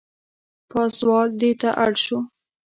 پازوال دېته اړ شو.